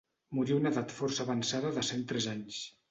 Morí a una edat força avançada de cent tres anys.